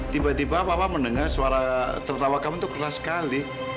tiba tiba papa mendengar suara tertawa kami itu keras sekali